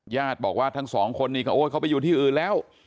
ญาติบอกว่าทั้งสองคนนี้ก็โอ๊ยเขาไปอยู่ที่อื่นแล้ว